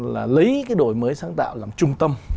lấy cái đổi mới sáng tạo làm trung tâm